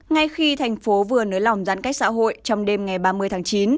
ngay khi thành phố vừa nới lỏng giãn cách xã hội trong đêm ngày ba mươi tháng chín